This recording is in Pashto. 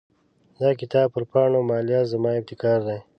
د کتاب پر پاڼو مالیه زما ابتکار دی.